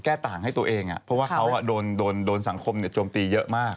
ต่างให้ตัวเองเพราะว่าเขาโดนสังคมโจมตีเยอะมาก